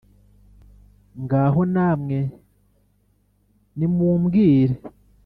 Ngaho namwe nimumbwire